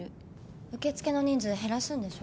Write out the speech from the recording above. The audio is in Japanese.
受付の人数減らすんでしょ？